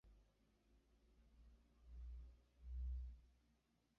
Ĉu ĝuste vi do volas devigi la homojn fariĝi kredantoj?